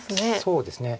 そうですね。